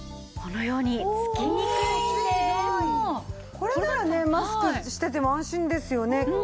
これならねマスクしてても安心ですよね。